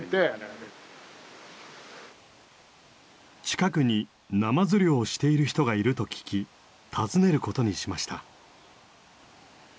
近くにナマズ漁をしている人がいると聞き訪ねることにしました。